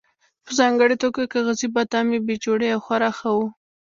په ځانګړې توګه کاغذي بادام یې بې جوړې او خورا ښه وو.